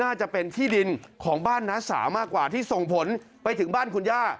น่าจะเป็นที่ดินของบ้านน้าสาวมากกว่าที่ส่งผลไปถึงบ้านคุณย่า